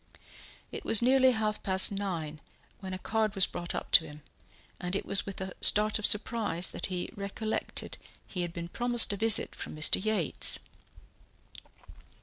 It was nearly half past nine when a card was brought up to him, and it was with a start of surprise that he recollected he had been promised a visit from Mr. Yates.